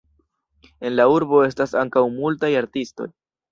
En la urbo estas ankaŭ multaj artistoj.